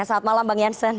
selamat malam bang jansen